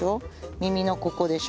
耳のここでしょ。